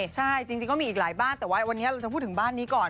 ใช่จริงก็มีอีกหลายบ้านแต่ว่าวันนี้เราจะพูดถึงบ้านนี้ก่อน